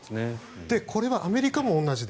これはアメリカも同じで。